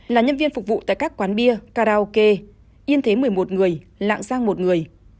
là nhân viên phục vụ tại các quán bia karaoke yên thế một mươi một người lạng giang một người